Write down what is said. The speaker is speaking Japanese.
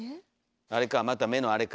あれかまた目のあれか。